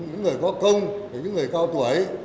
những người có công những người cao tuổi